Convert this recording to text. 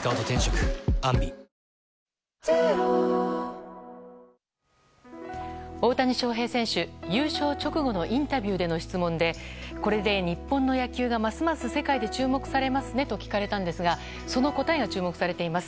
本麒麟大谷翔平選手、優勝直後のインタビューでの質問でこれで日本の野球がますます世界で注目されますねと聞かれたんですがその答えが注目されています。